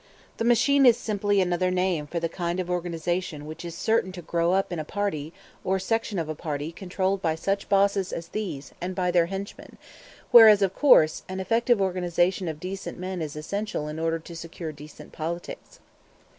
The machine is simply another name for the kind of organization which is certain to grow up in a party or section of a party controlled by such bosses as these and by their henchmen, whereas, of course, an effective organization of decent men is essential in order to secure decent politics.